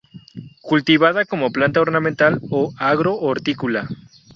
Cultivada como planta ornamental o agro-hortícola.